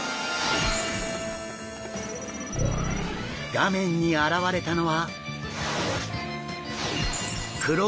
画面に現れたのは。